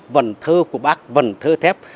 vần thơ của bác vần thơ thép